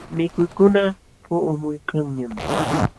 Mikuykuna puqumuykanñam.